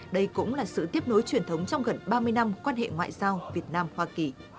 đây cũng là sự tiếp nối truyền thống trong gần ba mươi năm quan hệ ngoại giao việt nam hoa kỳ